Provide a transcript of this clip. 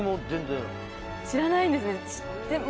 知らないんですね